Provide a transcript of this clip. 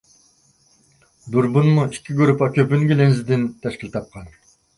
دۇربۇنمۇ ئىككى گۇرۇپپا كۆپۈنگۈ لېنزىدىن تەشكىل تاپقان.